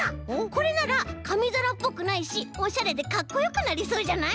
これならかみざらっぽくないしおしゃれでかっこよくなりそうじゃない？